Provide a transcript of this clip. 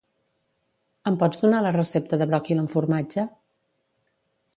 Em pots donar la recepta de bròquil amb formatge?